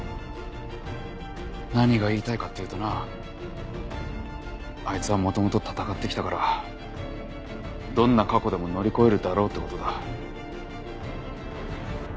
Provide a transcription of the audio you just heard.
何が言いたいかっていうとなあいつはもともと戦ってきたからどんな過去でも乗り越えるだろうってことだ。